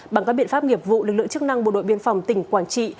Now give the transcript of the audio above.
bằng các biện pháp nghiệp vụ lực lượng chức năng bộ đội biên phòng tỉnh quảng trị